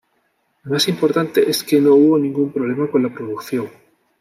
Lo más importante es que no hubo ningún problema con la producción.